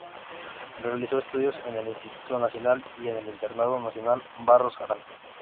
Realizó estudios en el Instituto Nacional y en el Internado Nacional Barros Arana.